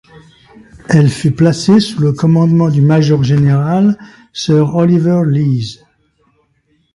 Elle fut placée sous le commandement du Major-Général Sir Oliver Leese.